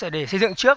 để xây dựng trước